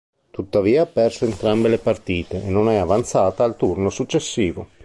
Tuttavia, ha perso entrambe le partite e non è avanzata al turno successivo.